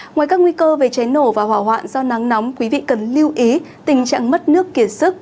ngoài các nguy cơ về cháy nổ và hỏa hoạn do nắng nóng quý vị cần lưu ý tình trạng mất nước kiệt sức